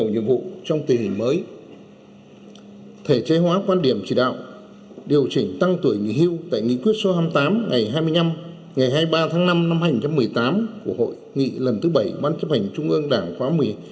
năm hai nghìn một mươi tám của hội nghị lần thứ bảy ban chấp hành trung ương đảng khóa một mươi hai